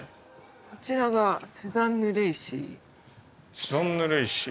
こちらがスザンヌ・レイシー。